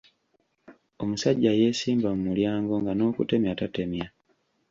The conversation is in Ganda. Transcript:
Omusajja yeesimba mu mulyango nga n’okutemya tatemya.